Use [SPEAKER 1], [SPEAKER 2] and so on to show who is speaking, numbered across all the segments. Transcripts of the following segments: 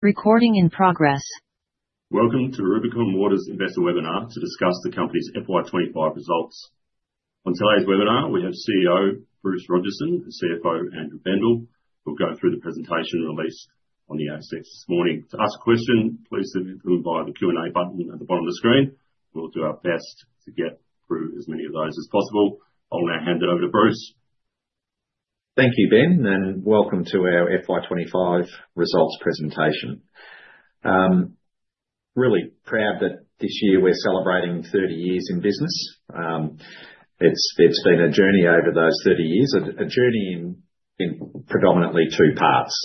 [SPEAKER 1] Recording in progress. Welcome to Rubicon Water's investor webinar to discuss the company's FY25 results. On today's webinar, we have CEO Bruce Rogerson and CFO Andrew Bendall, who will go through the presentation released on the ASX this morning. To ask a question, please submit them via the Q&A button at the bottom of the screen. We'll do our best to get through as many of those as possible. I'll now hand it over to Bruce.
[SPEAKER 2] Thank you, Ben, and welcome to our FY 2025 results presentation. Really proud that this year we're celebrating 30 years in business. It's been a journey over those 30 years, a journey in predominantly two parts: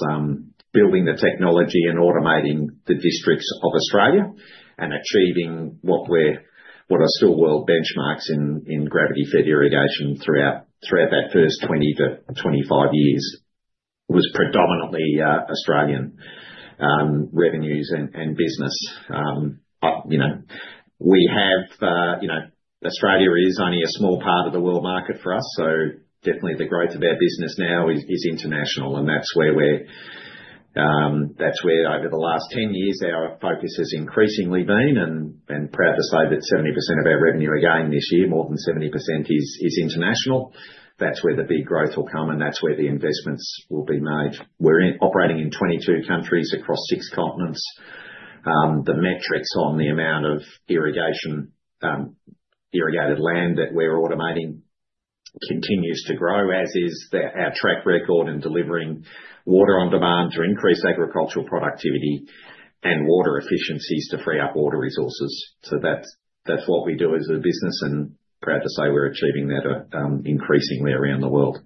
[SPEAKER 2] building the technology and automating the districts of Australia and achieving what are still world benchmarks in gravity-fed irrigation throughout that first 20–25 years. It was predominantly Australian revenues and business. We have. Australia is only a small part of the world market for us, so definitely the growth of our business now is international, and that's where we're, that's where over the last 10 years our focus has increasingly been, and proud to say that 70% of our revenue again this year, more than 70%, is international. That's where the big growth will come, and that's where the investments will be made. We're operating in 22 countries across six continents. The metrics on the amount of irrigated land that we're automating continues to grow, as is our track record in delivering water on demand to increase agricultural productivity and water efficiencies to free up water resources. So that's what we do as a business, and proud to say we're achieving that increasingly around the world.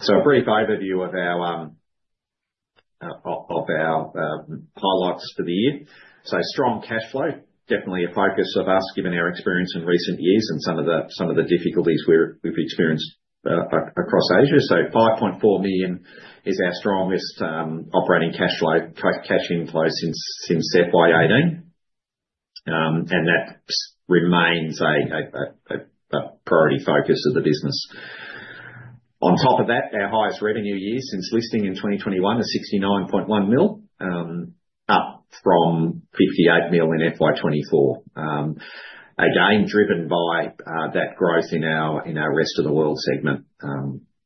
[SPEAKER 2] So a brief overview of our highlights for the year. So strong cash flow, definitely a focus of us given our experience in recent years and some of the difficulties we've experienced across Asia. So 5.4 million is our strongest operating cash flow inflow since FY18, and that remains a priority focus of the business. On top of that, our highest revenue year since listing in 2021 is 69.1 million, up from 58 million in FY24, again driven by that growth in our rest of the world segment,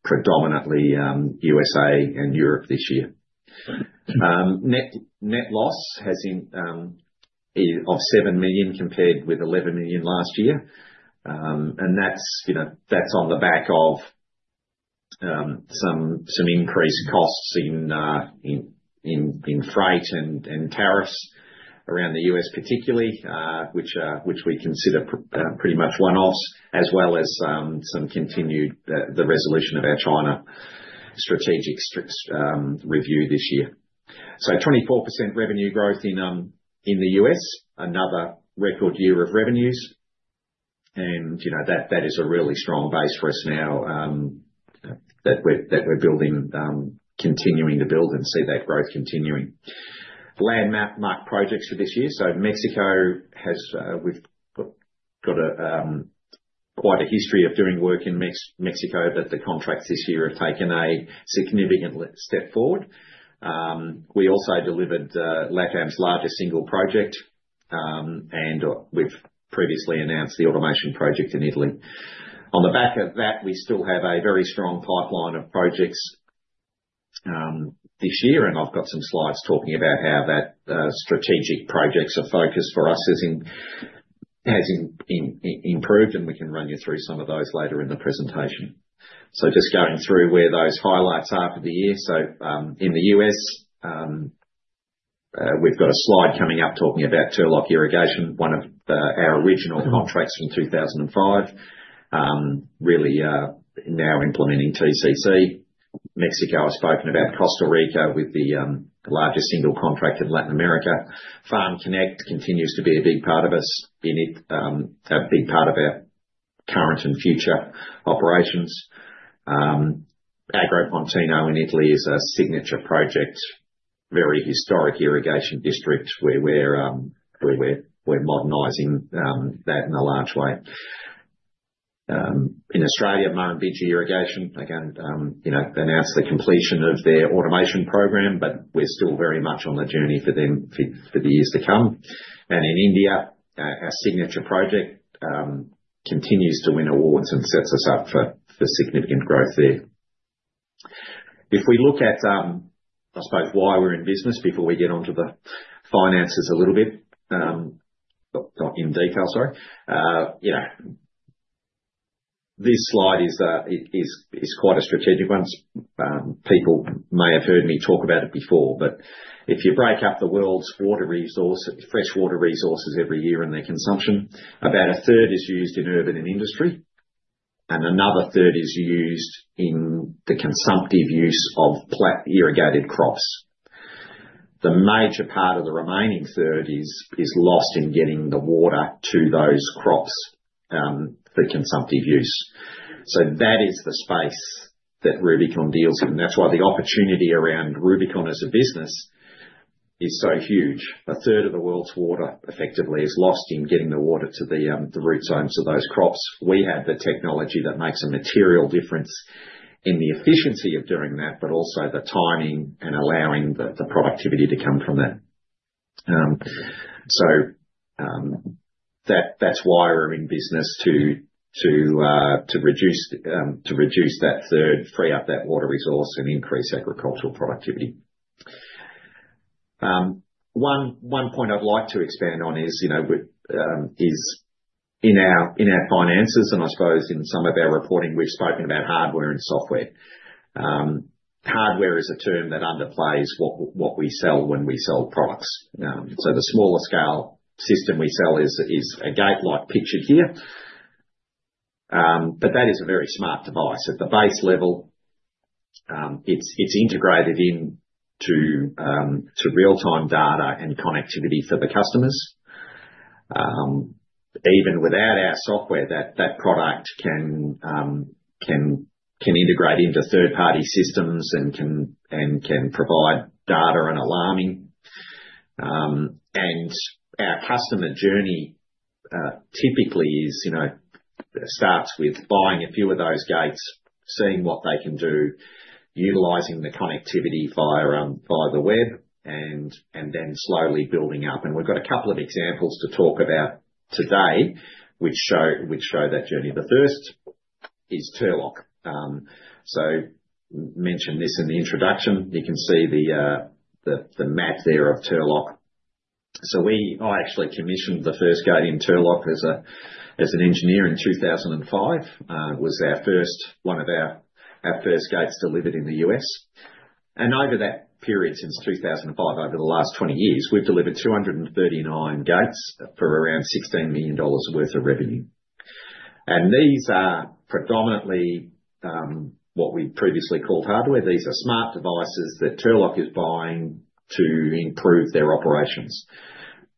[SPEAKER 2] predominantly USA and Europe this year. Net loss has been of seven million compared with 11 million last year, and that's on the back of some increased costs in freight and tariffs around the U.S., particularly, which we consider pretty much one-offs, as well as some continued resolution of our China strategic review this year. So 24% revenue growth in the U.S., another record year of revenues, and that is a really strong base for us now that we're building, continuing to build and see that growth continuing. Landmark projects for this year. So Mexico has. We've got quite a history of doing work in Mexico, but the contracts this year have taken a significant step forward. We also delivered LATAM's largest single project, and we've previously announced the automation project in Italy. On the back of that, we still have a very strong pipeline of projects this year, and I've got some slides talking about how that strategic projects are focused for us has improved, and we can run you through some of those later in the presentation, so just going through where those highlights are for the year, so in the U.S., we've got a slide coming up talking about Turlock Irrigation, one of our original contracts from 2005, really now implementing TCC. Mexico, I've spoken about Costa Rica with the largest single contract in Latin America. FarmConnect continues to be a big part of us, a big part of our current and future operations. Agro Pontino in Italy is a signature project, very historic irrigation district where we're modernizing that in a large way. In Australia, Murrumbidgee Irrigation, again, announced the completion of their automation program, but we're still very much on the journey for them for the years to come. And in India, our signature project continues to win awards and sets us up for significant growth there. If we look at, I suppose, why we're in business, before we get onto the finances a little bit, not in detail, sorry, this slide is quite a strategic one. People may have heard me talk about it before, but if you break up the world's freshwater resources every year and their consumption, about a third is used in urban and industry, and another third is used in the consumptive use of irrigated crops. The major part of the remaining third is lost in getting the water to those crops for consumptive use. So that is the space that Rubicon deals in. That's why the opportunity around Rubicon as a business is so huge. A third of the world's water effectively is lost in getting the water to the root zones of those crops. We have the technology that makes a material difference in the efficiency of doing that, but also the timing and allowing the productivity to come from that. So that's why we're in business to reduce that third, free up that water resource, and increase agricultural productivity. One point I'd like to expand on is in our finances, and I suppose in some of our reporting, we've spoken about hardware and software. Hardware is a term that underplays what we sell when we sell products. So the smaller scale system we sell is a gate like pictured here, but that is a very smart device. At the base level, it's integrated into real-time data and connectivity for the customers. Even without our software, that product can integrate into third-party systems and can provide data and alarming. And our customer journey typically starts with buying a few of those gates, seeing what they can do, utilizing the connectivity via the web, and then slowly building up. And we've got a couple of examples to talk about today which show that journey. The first is Turlock. So mentioned this in the introduction. You can see the map there of Turlock. So I actually commissioned the first gate in Turlock as an engineer in 2005. It was our first, one of our first gates delivered in the US. And over that period since 2005, over the last 20 years, we've delivered 239 gates for around $16 million worth of revenue. And these are predominantly what we previously called hardware. These are smart devices that Turlock is buying to improve their operations.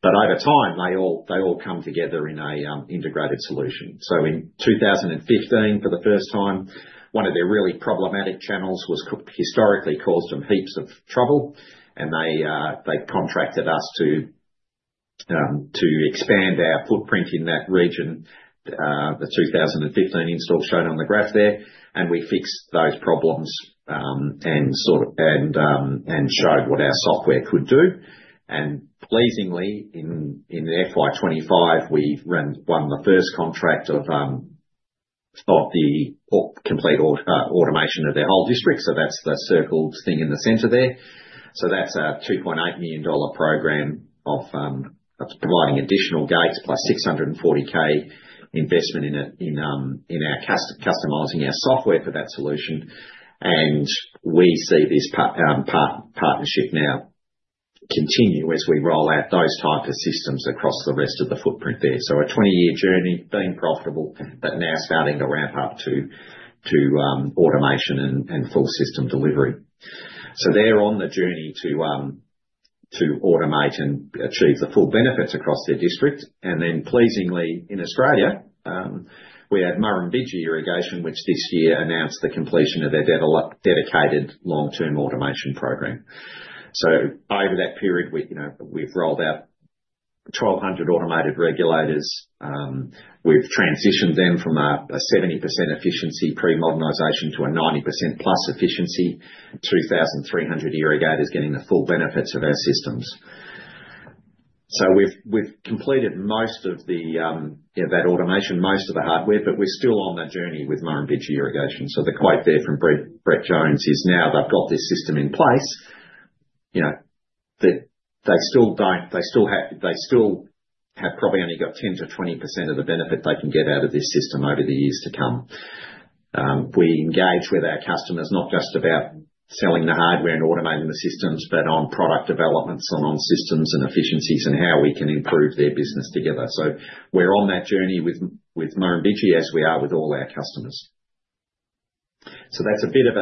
[SPEAKER 2] But over time, they all come together in an integrated solution. So in 2015, for the first time, one of their really problematic channels was historically caused them heaps of trouble, and they contracted us to expand our footprint in that region. The 2015 install shown on the graph there, and we fixed those problems and showed what our software could do. And pleasingly, in FY 2025, we won the first contract of the complete automation of their whole district. So that's the circled thing in the center there. So that's a 2.8 million dollar program of providing additional gates plus 640K investment in our customizing our software for that solution. And we see this partnership now continue as we roll out those type of systems across the rest of the footprint there. So a 20-year journey, being profitable, but now starting to ramp up to automation and full system delivery. So they're on the journey to automate and achieve the full benefits across their district. And then pleasingly, in Australia, we had Murrumbidgee Irrigation, which this year announced the completion of their dedicated long-term automation program. So over that period, we've rolled out 1,200 automated regulators. We've transitioned them from a 70% efficiency pre-modernization to a 90%+ efficiency, 2,300 irrigators getting the full benefits of our systems. So we've completed most of that automation, most of the hardware, but we're still on that journey with Murrumbidgee Irrigation. So the quote there from Brett Jones is now they've got this system in place, that they still have probably only got 10%–20% of the benefit they can get out of this system over the years to come. We engage with our customers not just about selling the hardware and automating the systems, but on product developments and on systems and efficiencies and how we can improve their business together. So we're on that journey with Murrumbidgee Irrigation as we are with all our customers. So that's a bit of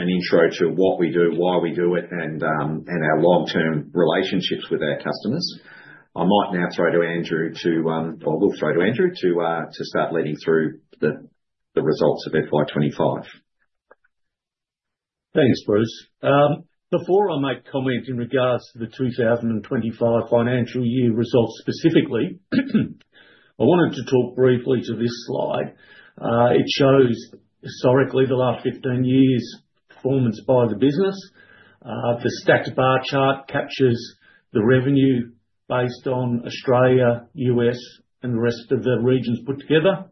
[SPEAKER 2] an intro to what we do, why we do it, and our long-term relationships with our customers. I might now throw to Andrew, or we'll throw to Andrew to start leading through the results of FY 2025.
[SPEAKER 3] Thanks, Bruce. Before I make comment in regards to the 2025 financial year results specifically, I wanted to talk briefly to this slide. It shows historically the last 15 years' performance by the business. The stacked bar chart captures the revenue based on Australia, U.S., and the rest of the regions put together.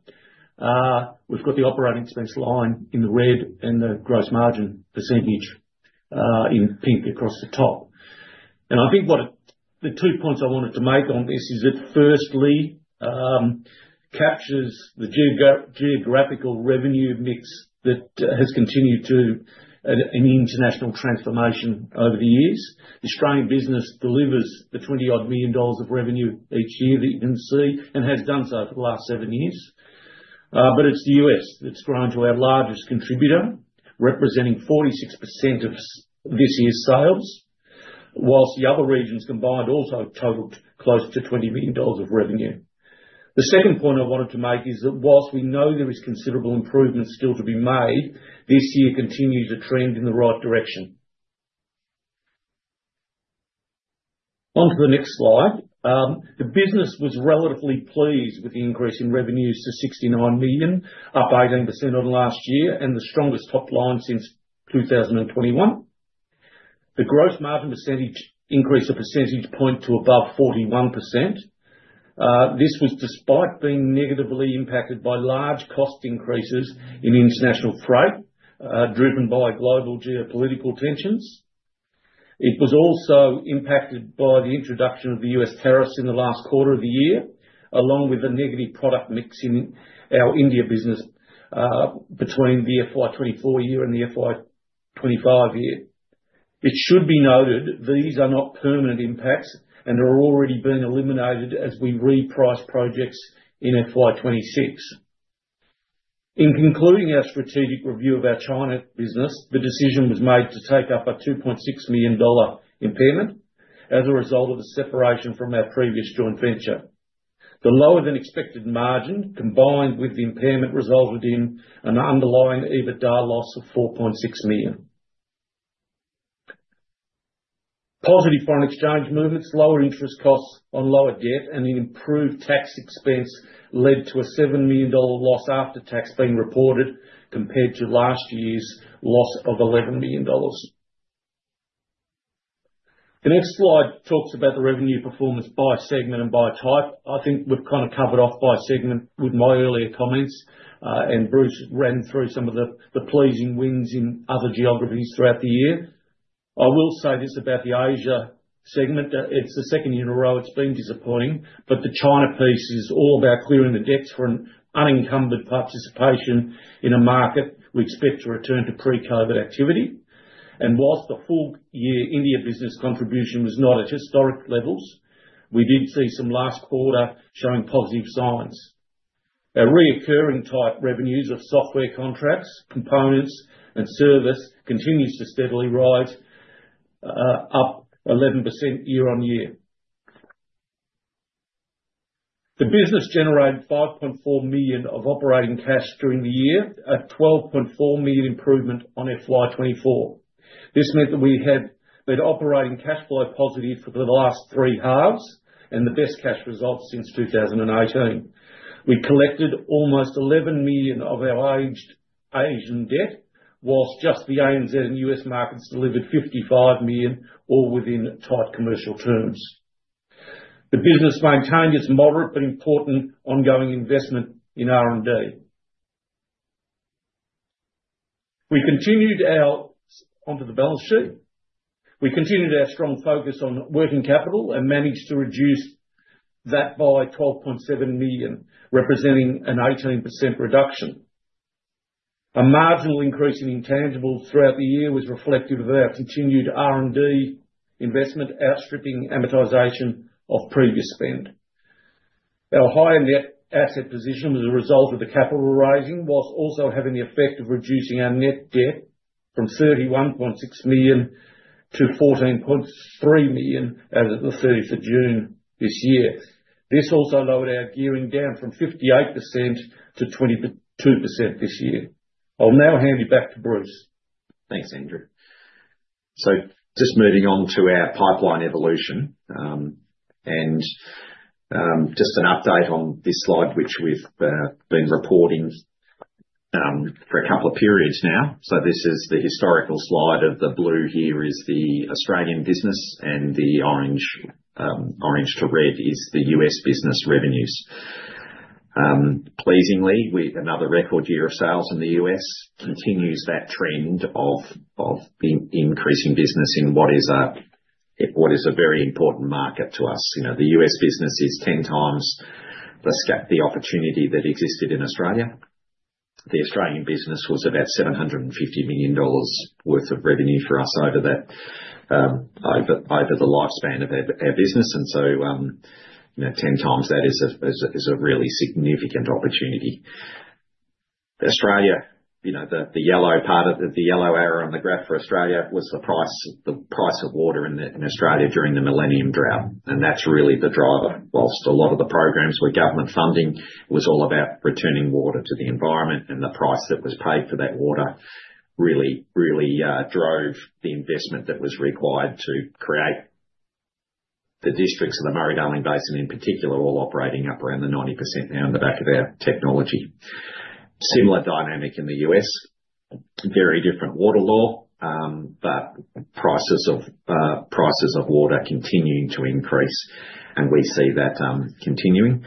[SPEAKER 3] We've got the operating expense line in the red and the gross margin percentage in pink across the top, and I think the two points I wanted to make on this is it firstly captures the geographical revenue mix that has continued to an international transformation over the years. The Australian business delivers the 20-odd million dollars of revenue each year that you can see and has done so for the last seven years. But it's the U.S. that's grown to our largest contributor, representing 46% of this year's sales, while the other regions combined also totaled close to 20 million dollars of revenue. The second point I wanted to make is that while we know there is considerable improvement still to be made, this year continues to trend in the right direction. Onto the next slide. The business was relatively pleased with the increase in revenues to 69 million, up 18% on last year and the strongest top line since 2021. The gross margin percentage increased a percentage point to above 41%. This was despite being negatively impacted by large cost increases in international freight driven by global geopolitical tensions. It was also impacted by the introduction of the U.S. tariffs in the last quarter of the year, along with a negative product mix in our India business between the FY 2024 year and the FY 2025 year. It should be noted these are not permanent impacts, and they're already being eliminated as we reprice projects in FY26. In concluding our strategic review of our China business, the decision was made to take up a 2.6 million dollar impairment as a result of the separation from our previous joint venture. The lower than expected margin combined with the impairment resulted in an underlying EBITDA loss of 4.6 million. Positive foreign exchange movements, lower interest costs on lower debt, and an improved tax expense led to a 7 million dollar loss after tax being reported compared to last year's loss of 11 million dollars. The next slide talks about the revenue performance by segment and by type. I think we've kind of covered off by segment with my earlier comments, and Bruce ran through some of the pleasing wins in other geographies throughout the year. I will say this about the Asia segment. It's the second year in a row it's been disappointing, but the China piece is all about clearing the decks for an unencumbered participation in a market we expect to return to pre-COVID activity, and while the full year India business contribution was not at historic levels, we did see some last quarter showing positive signs. Our recurring type revenues of software contracts, components, and service continues to steadily rise up 11% year-on-year. The business generated 5.4 million of operating cash during the year, a 12.4 million improvement on FY24. This meant that we had operating cash flow positive for the last three halves and the best cash result since 2018. We collected almost 11 million of our aged Asian debt, while just the ANZ and U.S. markets delivered 55 million, all within tight commercial terms. The business maintained its moderate but important ongoing investment in R&D. We continued our strong focus on working capital and managed to reduce that by 12.7 million, representing an 18% reduction. A marginal increase in intangibles throughout the year was reflective of our continued R&D investment, outstripping amortization of previous spend. Our higher net asset position was a result of the capital raising, while also having the effect of reducing our net debt from 31.6 million–14.3 million as of the 30th of June this year. This also lowered our gearing down from 58%–22% this year. I'll now hand you back to Bruce.
[SPEAKER 2] Thanks, Andrew. So just moving on to our pipeline evolution and just an update on this slide, which we've been reporting for a couple of periods now. So this is the historical slide. The blue here is the Australian business, and the orange to red is the U.S. business revenues. Pleasingly, another record year of sales in the U.S. continues that trend of increasing business in what is a very important market to us. The U.S. business is 10x the opportunity that existed in Australia. The Australian business was about 750 million dollars worth of revenue for us over the lifespan of our business. And so 10x that is a really significant opportunity. The yellow arrow on the graph for Australia was the price of water in Australia during the Millennium Drought. And that's really the driver. While a lot of the programs were government funding, it was all about returning water to the environment, and the price that was paid for that water really drove the investment that was required to create the districts of the Murray-Darling Basin in particular, all operating up around the 90% down the back of our technology. Similar dynamic in the U.S., very different water law, but prices of water continuing to increase, and we see that continuing.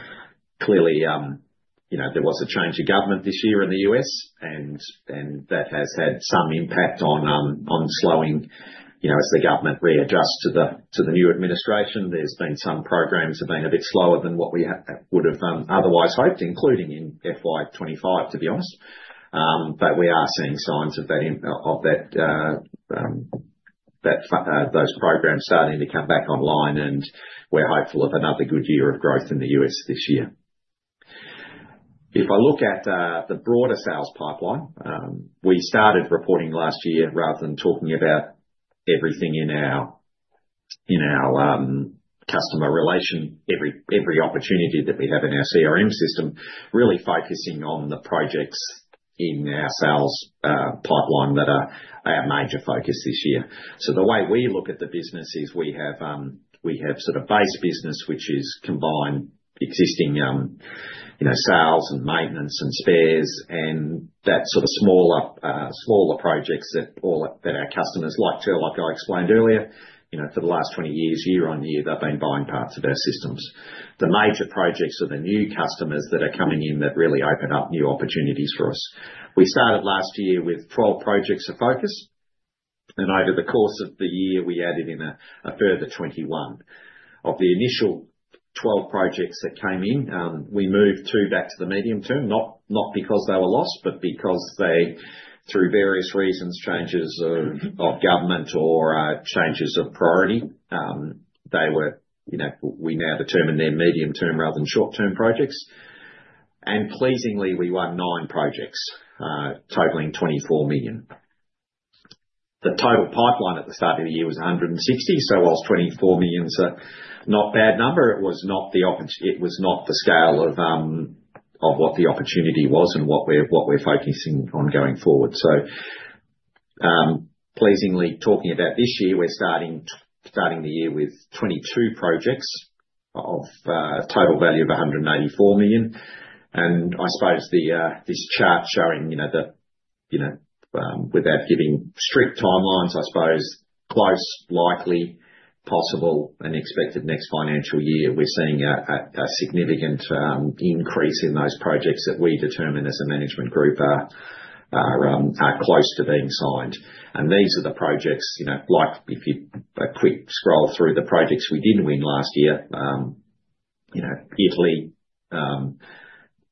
[SPEAKER 2] Clearly, there was a change of government this year in the U.S., and that has had some impact on slowing as the government readjusts to the new administration. There's been some programs that have been a bit slower than what we would have otherwise hoped, including in FY 2025, to be honest. But we are seeing signs of those programs starting to come back online, and we're hopeful of another good year of growth in the U.S. this year. If I look at the broader sales pipeline, we started reporting last year rather than talking about everything in our customer relation, every opportunity that we have in our CRM system, really focusing on the projects in our sales pipeline that are our major focus this year. So the way we look at the business is we have sort of base business, which is combined existing sales and maintenance and spares and that sort of smaller projects that our customers, like Turlock, I explained earlier, for the last 20 years, year-on-year, they've been buying parts of our systems. The major projects are the new customers that are coming in that really open up new opportunities for us. We started last year with 12 projects of focus, and over the course of the year, we added in a further 21. Of the initial 12 projects that came in, we moved two back to the medium term, not because they were lost, but because they, through various reasons, changes of government or changes of priority, we now determined their medium term rather than short term projects, and, pleasingly, we won nine projects totaling 24 million. The total pipeline at the start of the year was 160 million, so while 24 million is a not bad number, it was not the scale of what the opportunity was and what we're focusing on going forward, so, pleasingly, talking about this year, we're starting the year with 22 projects of a total value of 184 million. I suppose this chart showing that without giving strict timelines, I suppose close, likely, possible, and expected next financial year, we're seeing a significant increase in those projects that we determine as a management group are close to being signed. These are the projects, like if you quick scroll through the projects we did win last year, Italy,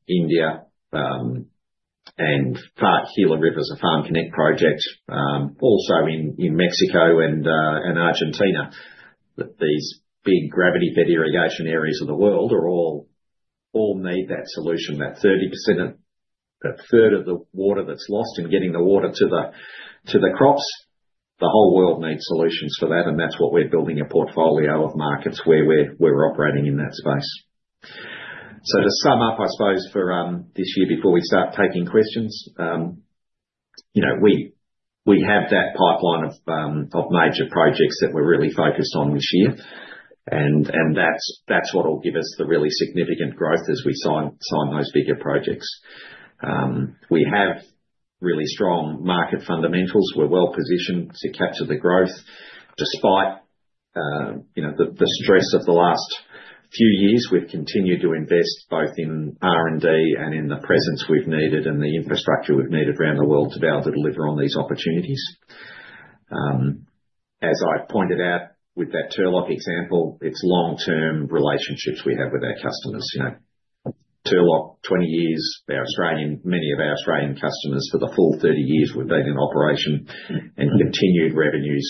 [SPEAKER 2] India, and part Gila River Farms is a FarmConnect project. Also in Mexico and Argentina, these big gravity-fed irrigation areas of the world all need that solution, that 30%, that third of the water that's lost in getting the water to the crops. The whole world needs solutions for that, and that's what we're building a portfolio of markets where we're operating in that space. So to sum up, I suppose, for this year before we start taking questions, we have that pipeline of major projects that we're really focused on this year, and that's what will give us the really significant growth as we sign those bigger projects. We have really strong market fundamentals. We're well positioned to capture the growth. Despite the stress of the last few years, we've continued to invest both in R&D and in the presence we've needed and the infrastructure we've needed around the world to be able to deliver on these opportunities. As I pointed out with that Turlock example, it's long-term relationships we have with our customers. Turlock, 20 years, many of our Australian customers for the full 30 years we've been in operation and continued revenues.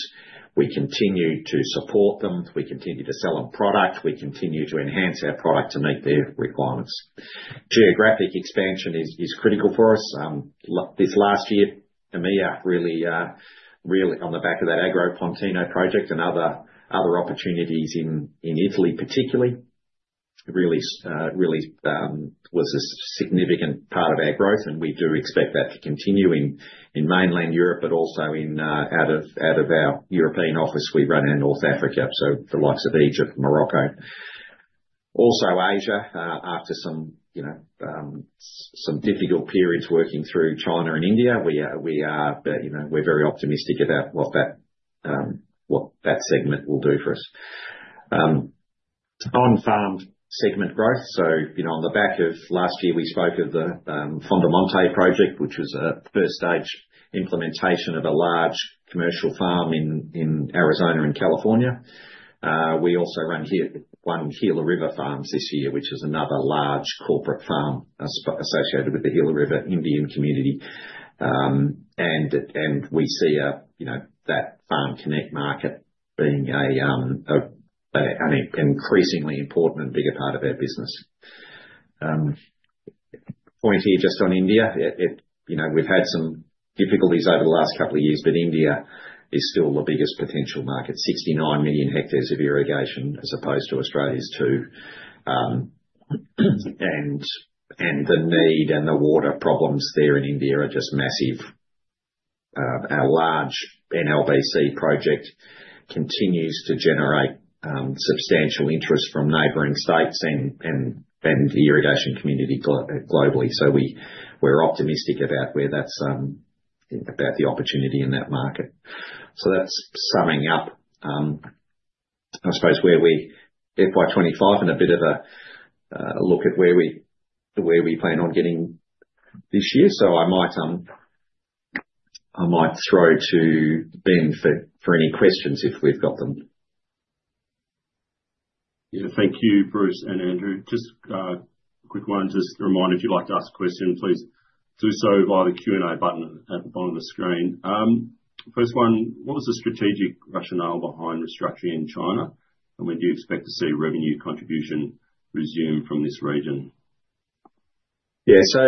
[SPEAKER 2] We continue to support them. We continue to sell them product. We continue to enhance our product to meet their requirements. Geographic expansion is critical for us. This last year, EMEA really, on the back of that Agro Pontino project and other opportunities in Italy particularly, really was a significant part of our growth, and we do expect that to continue in mainland Europe, but also out of our European office. We run in North Africa, so the likes of Egypt, Morocco. Also Asia, after some difficult periods working through China and India, we're very optimistic about what that segment will do for us. On farm segment growth, so on the back of last year, we spoke of the Fondomonte project, which was a first-stage implementation of a large commercial farm in Arizona and California. We also run one Gila River Farms this year, which is another large corporate farm associated with the Gila River Indian Community. We see that FarmConnect market being an increasingly important and bigger part of our business. Point here just on India, we've had some difficulties over the last couple of years, but India is still the biggest potential market, 69 million hectares of irrigation as opposed to Australia's two. The need and the water problems there in India are just massive. Our large NLBC project continues to generate substantial interest from neighboring states and the irrigation community globally. We're optimistic about the opportunity in that market. That's summing up, I suppose, where we FY25 and a bit of a look at where we plan on getting this year. I might throw to Ben for any questions if we've got them.
[SPEAKER 4] Yeah, thank you, Bruce and Andrew. Just a quick one, just a reminder, if you'd like to ask a question, please do so via the Q&A button at the bottom of the screen. First one, what was the strategic rationale behind restructuring in China, and when do you expect to see revenue contribution resume from this region?
[SPEAKER 2] Yeah, so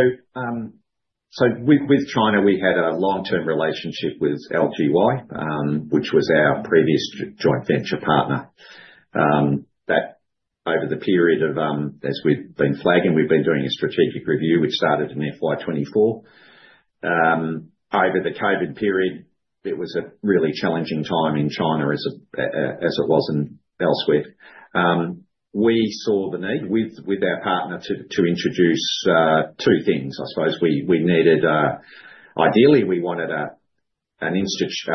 [SPEAKER 2] with China, we had a long-term relationship with LYG, which was our previous joint venture partner. Over the period of, as we've been flagging, we've been doing a strategic review, which started in FY 2024. Over the COVID period, it was a really challenging time in China as it was elsewhere. We saw the need with our partner to introduce two things. I suppose we needed, ideally, we wanted a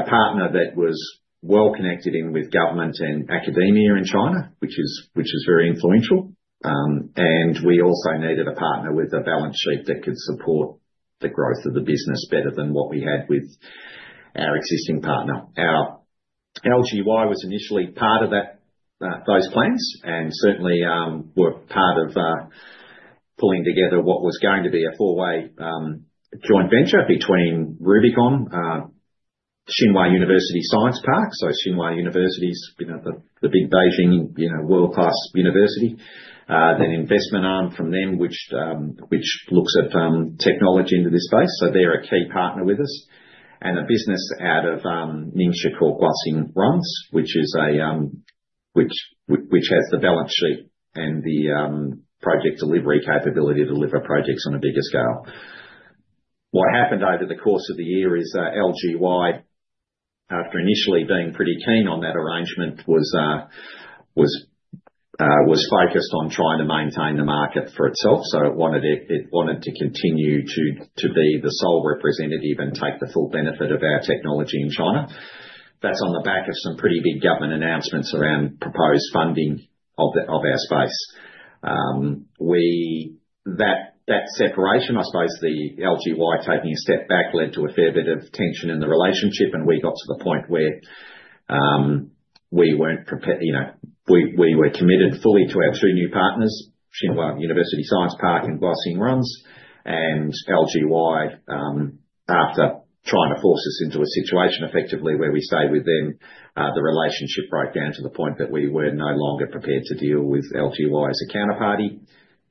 [SPEAKER 2] partner that was well connected in with government and academia in China, which is very influential. We also needed a partner with a balance sheet that could support the growth of the business better than what we had with our existing partner. LYG was initially part of those plans and certainly were part of pulling together what was going to be a four-way joint venture between Rubicon, Tsinghua University Science Park, so Tsinghua University is the big Beijing world-class university, then investment arm from them, which looks at technology into this space. So they're a key partner with us. And a business out of Ningxia Guoxin Runa, which has the balance sheet and the project delivery capability to deliver projects on a bigger scale. What happened over the course of the year is LYG, after initially being pretty keen on that arrangement, was focused on trying to maintain the market for itself. So it wanted to continue to be the sole representative and take the full benefit of our technology in China. That's on the back of some pretty big government announcements around proposed funding of our space. That separation, I suppose the LYG taking a step back led to a fair bit of tension in the relationship, and we got to the point where we weren't prepared. We were committed fully to our two new partners, Tsinghua University Science Park and Guoxin Runa, and LYG, after trying to force us into a situation effectively where we stayed with them, the relationship broke down to the point that we were no longer prepared to deal with LYG as a counterparty.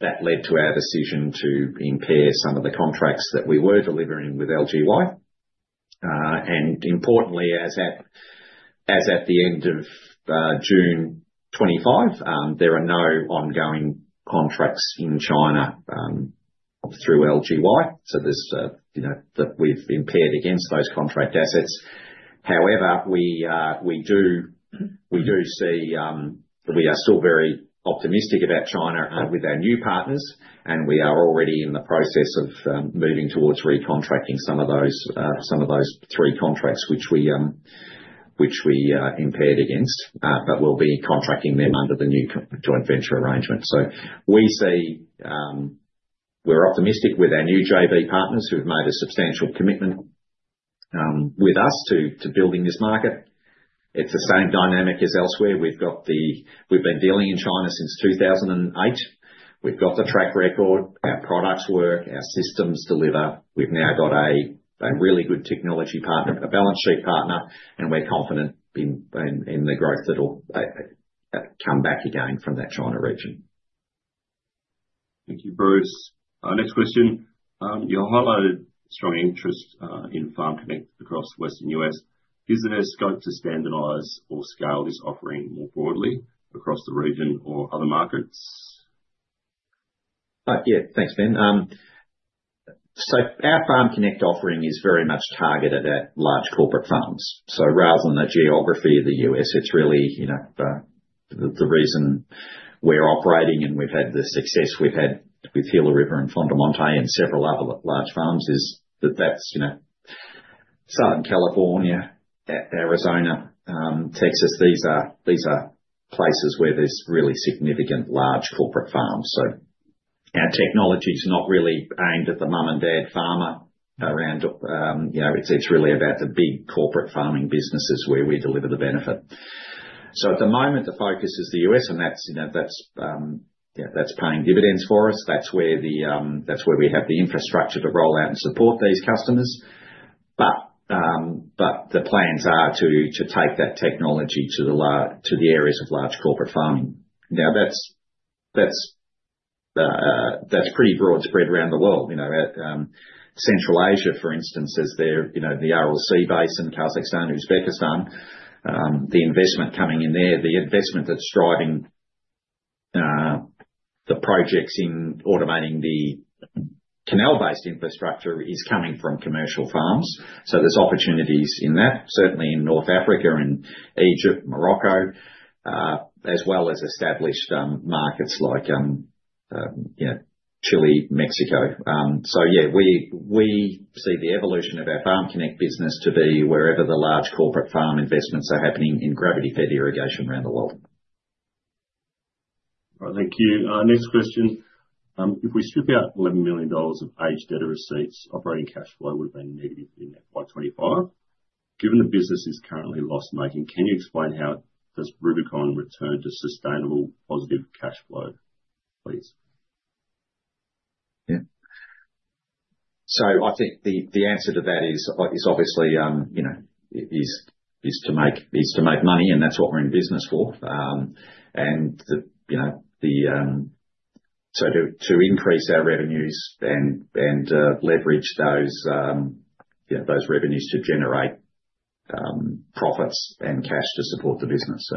[SPEAKER 2] That led to our decision to impair some of the contracts that we were delivering with LYG. Importantly, as at the end of June 2025, there are no ongoing contracts in China through LYG. So we've impaired against those contract assets. However, we do see that we are still very optimistic about China with our new partners, and we are already in the process of moving towards recontracting some of those three contracts which we impaired against, but we'll be contracting them under the new joint venture arrangement. So we're optimistic with our new JV partners who have made a substantial commitment with us to building this market. It's the same dynamic as elsewhere. We've been dealing in China since 2008. We've got the track record, our products work, our systems deliver. We've now got a really good technology partner, a balance sheet partner, and we're confident in the growth that will come back again from that China region.
[SPEAKER 4] Thank you, Bruce. Next question. You highlighted strong interest in FarmConnect across the Western U.S. Is there scope to standardize or scale this offering more broadly across the region or other markets?
[SPEAKER 2] Yeah, thanks, Ben. So our FarmConnect offering is very much targeted at large corporate farms. So rather than the geography of the U.S., it's really the reason we're operating and we've had the success we've had with Gila River and Fondomonte and several other large farms is that that's Southern California, Arizona, Texas. These are places where there's really significant large corporate farms. So our technology is not really aimed at the mum and dad farmer around. It's really about the big corporate farming businesses where we deliver the benefit. So at the moment, the focus is the U.S., and that's paying dividends for us. That's where we have the infrastructure to roll out and support these customers. But the plans are to take that technology to the areas of large corporate farming. Now, that's pretty broad spread around the world. Central Asia, for instance, has the ROC base in Kazakhstan and Uzbekistan. The investment coming in there, the investment that's driving the projects in automating the canal-based infrastructure is coming from commercial farms. So there's opportunities in that, certainly in North Africa and Egypt, Morocco, as well as established markets like Chile, Mexico. So yeah, we see the evolution of our FarmConnect business to be wherever the large corporate farm investments are happening in gravity-fed irrigation around the world.
[SPEAKER 4] All right, thank you. Next question. If we strip out AUD 11 million of aged debtor receipts, operating cash flow would have been negative in FY25. Given the business is currently loss-making, can you explain how does Rubicon return to sustainable positive cash flow, please?
[SPEAKER 2] Yeah. So I think the answer to that is obviously to make money, and that's what we're in business for, and so to increase our revenues and leverage those revenues to generate profits and cash to support the business.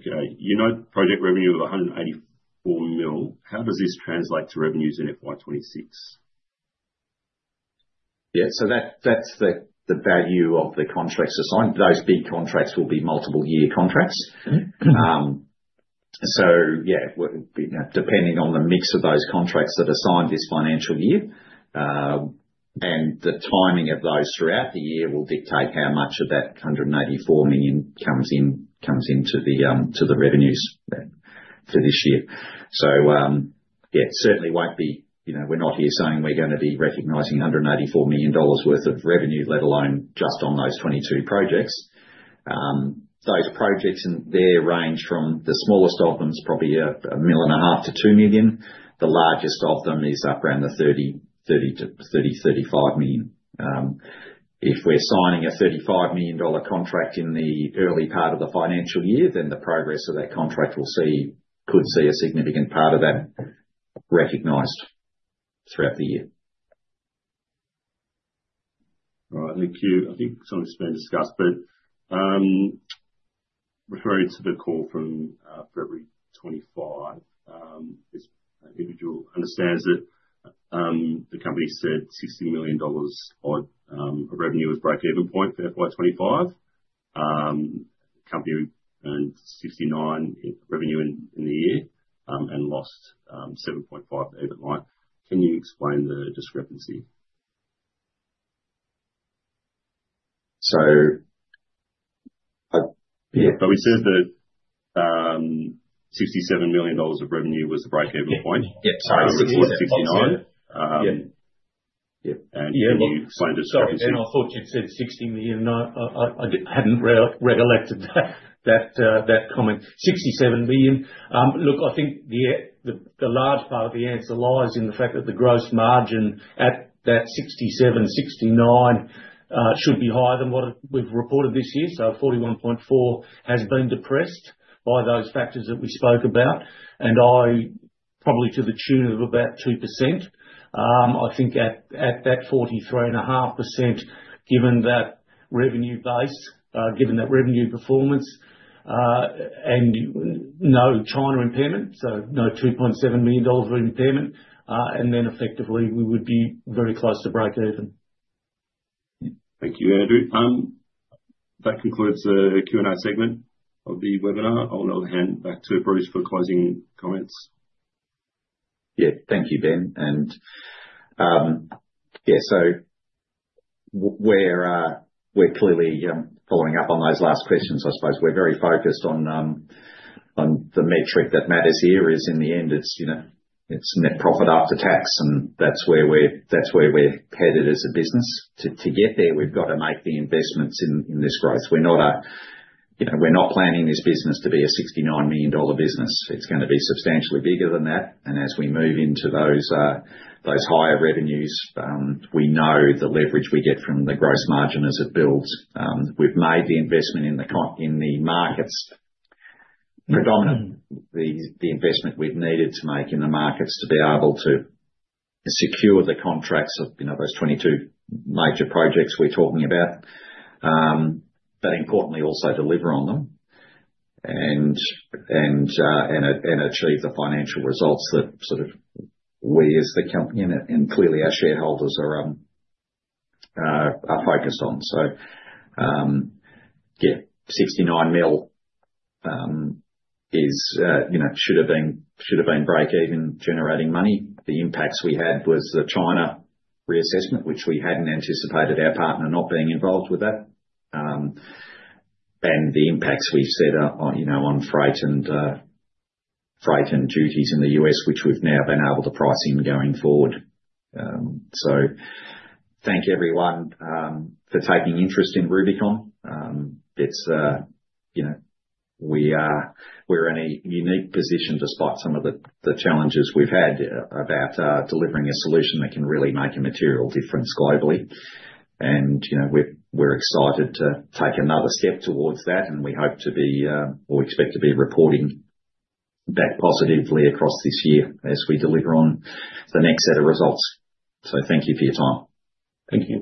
[SPEAKER 4] You know project revenue of 184 million. How does this translate to revenues in FY 2026?
[SPEAKER 2] Yeah, so that's the value of the contracts assigned. Those big contracts will be multiple-year contracts. So yeah, depending on the mix of those contracts that are signed this financial year, and the timing of those throughout the year will dictate how much of that 184 million comes into the revenues for this year. So yeah, certainly won't be. We're not here saying we're going to be recognizing 184 million dollars worth of revenue, let alone just on those 22 projects. Those projects in there range from the smallest of them is probably 1.5 million–2 million. The largest of them is up around the 30–35 million. If we're signing a 35 million dollar contract in the early part of the financial year, then the progress of that contract could see a significant part of that recognized throughout the year.
[SPEAKER 4] All right, thank you. I think some of this has been discussed, but referring to the call from February 25, as individual understands it, the company said 60 million dollars of revenue was break-even point for FY 2025. The company earned 69 million in revenue in the year and lost 7.5 million at that point. Can you explain the discrepancy?
[SPEAKER 3] So yeah. But we said that 67 million dollars of revenue was the break-even point. Yeah, sorry, 69.
[SPEAKER 4] Can you explain the discrepancy?
[SPEAKER 3] I thought you'd said 60 million. I hadn't repeated that comment. 67 million. Look, I think the large part of the answer lies in the fact that the gross margin at that 67–69 should be higher than what we've reported this year. So 41.4% has been depressed by those factors that we spoke about, and probably to the tune of about 2%. I think at that 43.5%, given that revenue base, given that revenue performance, and no China impairment, so no 2.7 million dollars of impairment, and then effectively we would be very close to break-even.
[SPEAKER 4] Thank you, Andrew. That concludes the Q&A segment of the webinar. I'll now hand back to Bruce for closing comments.
[SPEAKER 2] Yeah, thank you, Ben. Yeah, so we're clearly following up on those last questions. I suppose we're very focused on the metric that matters here. In the end, it's net profit after tax, and that's where we're headed as a business. To get there, we've got to make the investments in this growth. We're not planning this business to be an 69 million dollar business. It's going to be substantially bigger than that. And as we move into those higher revenues, we know the leverage we get from the gross margin as it builds. We've made the investment in the markets, predominantly the investment we've needed to make in the markets to be able to secure the contracts of those 22 major projects we're talking about, but importantly also deliver on them and achieve the financial results that sort of we as the company and clearly our shareholders are focused on. So yeah, 69 million should have been break-even, generating money. The impacts we had was the China reassessment, which we hadn't anticipated our partner not being involved with that, and the impacts we've said on freight and duties in the US, which we've now been able to price in going forward. So thank everyone for taking interest in Rubicon. We're in a unique position despite some of the challenges we've had about delivering a solution that can really make a material difference globally. And we're excited to take another step towards that, and we hope to be or expect to be reporting back positively across this year as we deliver on the next set of results. So thank you for your time. Thank you.